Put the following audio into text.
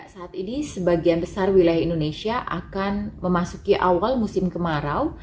saat ini sebagian besar wilayah indonesia akan memasuki awal musim kemarau